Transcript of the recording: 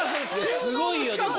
すごいよでも。